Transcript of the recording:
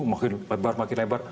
makin lebar makin lebar